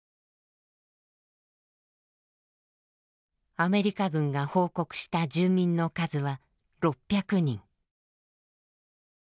アメリカ軍が報告した住民の数は６００人。